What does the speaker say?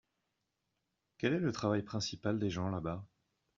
Quel est le travail principal des gens là-bas ?